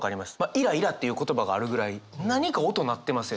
「イライラ」っていう言葉があるぐらい何か音鳴ってません？